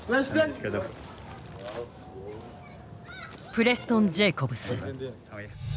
プレストン・ジェイコブス。